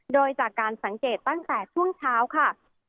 โดยจากการสังเกตตั้งแต่ช่วงเช้าค่ะ